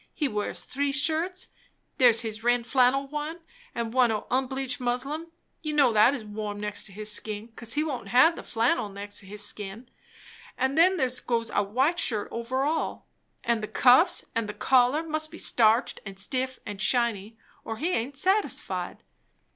He wears three shirts; there's his red flannel one, and one o' unbleached muslin you know that is warm, next his skin; 'cause he won't have the flannel next his skin; and then there goes a white shirt over all; and the cuffs and the collar must be starched and stiff and shiny, or he aint satisfied.